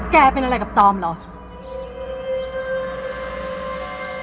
เป็นอะไรกับจอมเหรอ